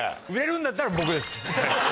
売れるんだったら僕です。